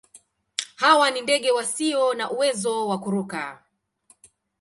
Hawa ni ndege wasio na uwezo wa kuruka.